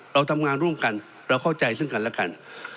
เราทำงานร่วมกันเราเข้าใจซึ่งกันและกัน